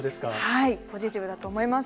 はい、ポジティブだと思います。